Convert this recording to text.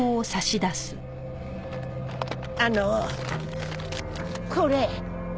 あのこれ。